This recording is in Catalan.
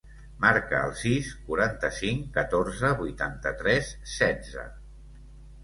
Marca el sis, quaranta-cinc, catorze, vuitanta-tres, setze.